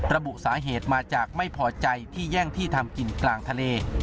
ระบุสาเหตุมาจากไม่พอใจที่แย่งที่ทำกินกลางทะเล